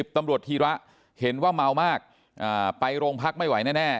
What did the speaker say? ตำรวจธีระเห็นว่าเมามากไปโรงพักไม่ไหวแน่